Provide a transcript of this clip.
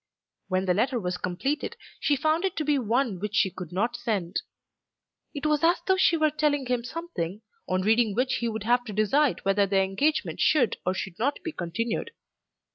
When the letter was completed, she found it to be one which she could not send. It was as though she were telling him something, on reading which he would have to decide whether their engagement should or should not be continued.